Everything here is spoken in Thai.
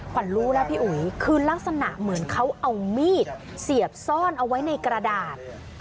รู้แล้วพี่อุ๋ยคือลักษณะเหมือนเขาเอามีดเสียบซ่อนเอาไว้ในกระดาษ